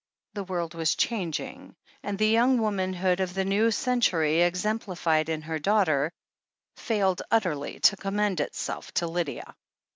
The world was changing, and the young womanhood of the new century, exemplified in her daughter, failed utterly to commend itself to Lydia.